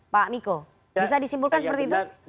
pak miko bisa disimpulkan seperti itu